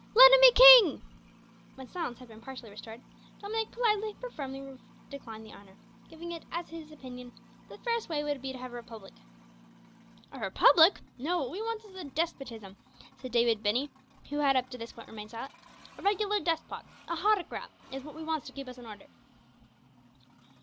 "Let him be king!" When silence had been partially restored Dominick politely but firmly declined the honour, giving it as his opinion that the fairest way would be to have a republic. "A republic! No; what we wants is a despotism," said David Binney, who had up to this point remained silent, "a regular despot a howtocrat is what we wants to keep us in order."